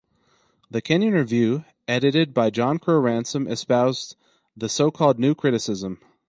"The Kenyon Review", edited by John Crowe Ransom, espoused the so-called New Criticism.